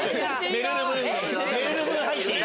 めるる分入っていい。